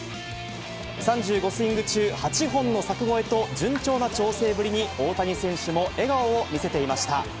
３５スイング中８本の柵越えと順調な調整ぶりに、大谷選手も笑顔を見せていました。